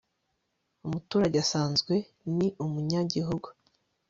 umuturage usanzwe ni umunyagihugu